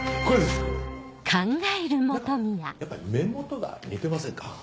何かやっぱり目元が似てませんか？